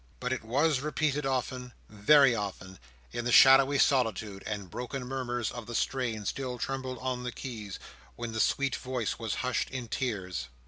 But it was repeated, often—very often, in the shadowy solitude; and broken murmurs of the strain still trembled on the keys, when the sweet voice was hushed in tears.